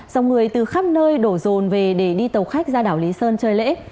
dòng người từ khắp nơi đổ rồn về để đi tàu khách ra đảo lý sơn chơi lễ